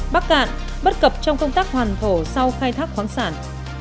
bắc cạn bất cập trong công tác hoàn thổ sau khai thác khoáng sản